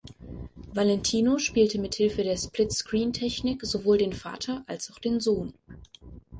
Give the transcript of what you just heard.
Valentino spielte mithilfe der Split Screen-Technik sowohl den Vater als auch den Sohn.